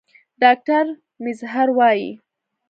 ډاکټر میزهر وايي